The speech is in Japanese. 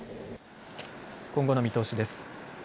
今後の見通しです。